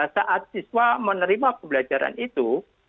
saat siswa menerima pembelajaran itu